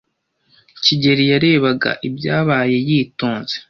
kigeli yarebaga ibyabaye yitonze.